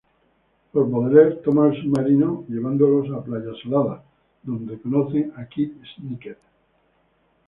Los Baudelaire toman el submarino llevándolos a Playa Salada, donde conocen a Kit Snicket.